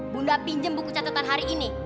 bunda pinjam buku catatan hari ini